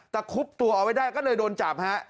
แต่คุบตัวเอาไว้ได้ก็เลยโดนจับฮะ